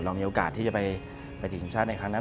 เรามีโอกาสที่จะไปทีมชาติอีกครั้งนั้น